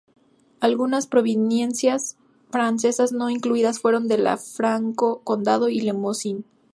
Algunas provincias francesas no incluidas fueron las de Franco Condado y Lemosín.